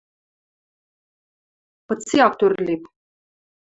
– Кыце ак тӧрлеп?